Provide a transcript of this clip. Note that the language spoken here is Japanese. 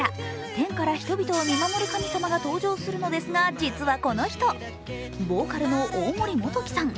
天から人々を見守る神様が登場するのですが実はこの人ボーカルの大森元貴さん。